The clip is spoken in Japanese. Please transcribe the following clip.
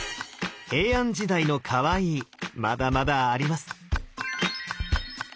平安時代の「かわいい」まだまだあります。